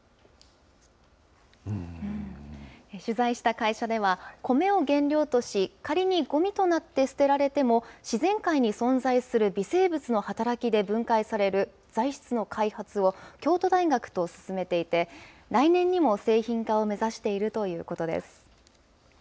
取材した会社では、コメを原料とし、仮にごみとなって捨てられても、自然界に存在する微生物の働きで分解される材質の開発を京都大学と進めていて、来年にも製品化を目指しているということです。